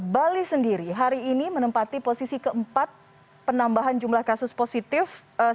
bali sendiri hari ini menempati posisi keempat penambahan jumlah kasus positif